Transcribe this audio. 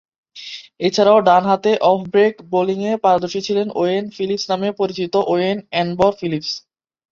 এছাড়াও, ডানহাতে off break বোলিংয়ে পারদর্শী ছিলেন ওয়েন ফিলিপস নামে পরিচিত ওয়েন এনম্বর ফিলিপস।